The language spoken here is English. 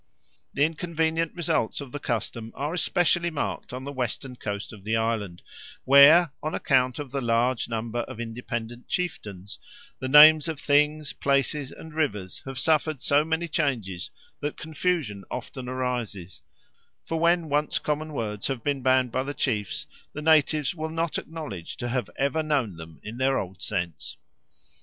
The inconvenient results of the custom are especially marked on the western coast of the island, where, on account of the large number of independent chieftains, the names of things, places, and rivers have suffered so many changes that confusion often arises, for when once common words have been banned by the chiefs the natives will not acknowledge to have ever known them in their old sense.